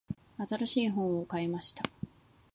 新しい本を買いました。